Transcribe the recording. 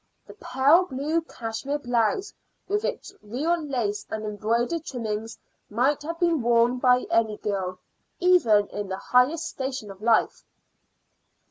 The pale blue cashmere blouse, with its real lace and embroidered trimmings, might have been worn by any girl, even in the highest station of life.